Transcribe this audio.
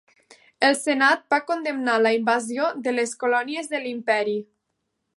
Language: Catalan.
El senat va condemnar la invasió de les colònies de l'imperi.